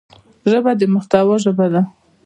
ژبه د محتوا ژبه ده